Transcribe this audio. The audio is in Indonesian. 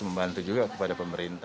membantu juga kepada pemerintah